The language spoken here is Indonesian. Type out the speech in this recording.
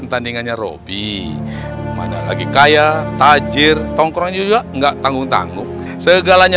pertandingannya roby mana lagi kaya tajir tongkrong juga enggak tanggung tanggung segalanya